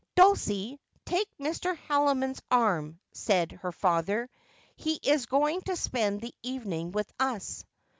' Dulcie, take Mr. Haldiniond's arm,' said her father, ' he is going to spend the evening with us.'